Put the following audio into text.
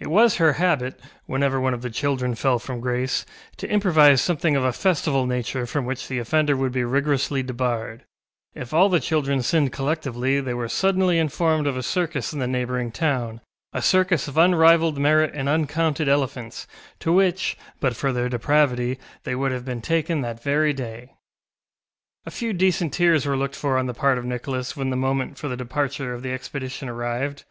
It was her habit, whenever one of the children fell from grace, to improvise something of a festival nature from which the offender would be rigorously debarred; if all the children sinned collectively they were suddenly informed of a circus in a neighbouring town, a circus of unrivalled merit and uncounted elephants, to which, but for their depravity, they would have been taken that very day. A few decent tears were looked for on the part of Nicholas when the moment for the departure of the expedition arrived.